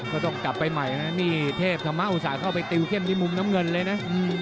ก็ต้องกลับไปใหม่นะนี่เทพธรรมะอุตส่าห์เข้าไปติวเข้มที่มุมน้ำเงินเลยนะ